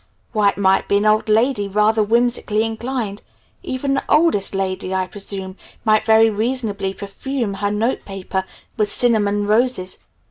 Why it might be an old lady, rather whimsically inclined. Even the oldest lady, I presume, might very reasonably perfume her note paper with cinnamon roses.